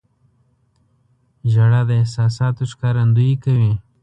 • ژړا د احساساتو ښکارندویي کوي.